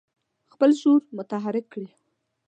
خپل شعور متحرک کړي.